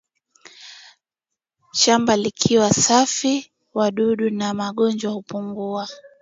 shamba likiwa safi wadudu na magonjwa hupungua